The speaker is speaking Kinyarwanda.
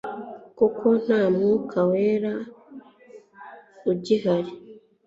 kuko nta mwuka wera ugihari